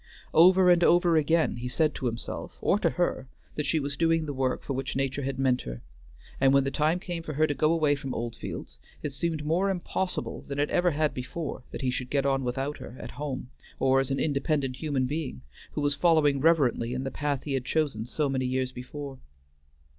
Over and over again he said to himself, or to her, that she was doing the work for which nature had meant her, and when the time came for her to go away from Oldfields, it seemed more impossible than it ever had before that he should get on without her, at home, or as an independent human being, who was following reverently in the path he had chosen so many years before.